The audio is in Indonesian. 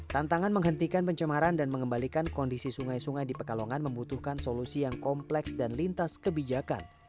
tantangan menghentikan pencemaran dan mengembalikan kondisi sungai sungai di pekalongan membutuhkan solusi yang kompleks dan lintas kebijakan